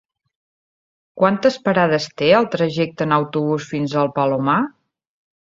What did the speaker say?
Quantes parades té el trajecte en autobús fins al Palomar?